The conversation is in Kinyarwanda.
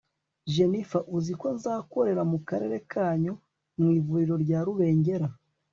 jennifer uziko nzakorera mu karere kanyu mu ivuriro rya rubengera